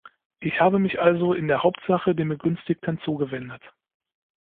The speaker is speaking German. Ich habe mich also in der Hauptsache den Begünstigten zugewendet.